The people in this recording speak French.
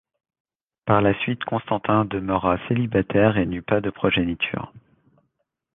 Par la suite Constantin demeura célibataire et n’eut pas de progéniture.